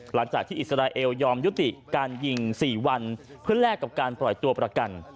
หลังจากที่อิสราเอลยอมยุติการยิง๔วันเพื่อแลกกับการปล่อยตัวประกัน